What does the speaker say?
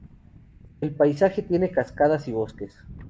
El paisaje tiene cascadas y bosques.